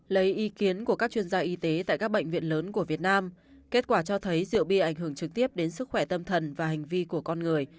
lấy ý kiến của các chuyên gia y tế tại các bệnh viện lớn của việt nam kết quả cho thấy rượu bia ảnh hưởng trực tiếp đến sức khỏe tâm thần và hành vi của con người